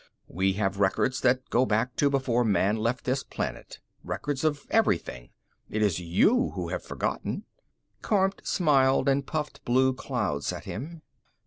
"We have records that go back to before man left this planet. Records of everything. It is you who have forgotten." Kormt smiled and puffed blue clouds at him.